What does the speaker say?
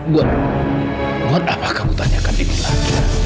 buat apa kamu tanyakan ini lagi